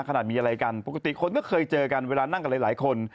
ขนาดมีอะไรกันปกติคนก็เคยเจอกันเวลานั่งกับหลายคน